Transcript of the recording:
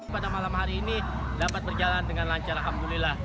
pada malam hari ini dapat berjalan dengan lancar alhamdulillah